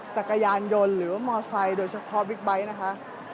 จักรยานยนต์หรือว่ามอไซค์โดยเฉพาะบิ๊กไบท์นะคะ